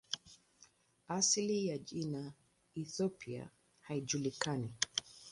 Asili ya jina "Ethiopia" haijulikani.